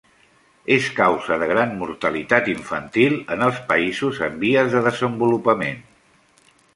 És causa de gran mortalitat infantil en els països en vies de desenvolupament.